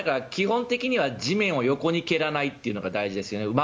基本的には地面を横に蹴らないというのが大事ですよね。